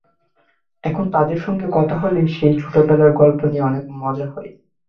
এখন তাঁদের সঙ্গে কথা হলে সেই ছোটবেলার গল্প নিয়ে অনেক মজা হয়।